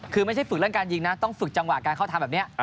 คือไม่ใช่ฝึกเรื่องการยิงนะต้องฝึกจังหวะการเข้าทำแบบนี้